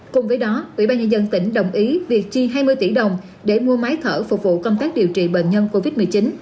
cùng với đó ubnd tỉnh đồng ý việc chi hai mươi tỷ đồng để mua máy thở phục vụ công tác điều trị bệnh nhân covid một mươi chín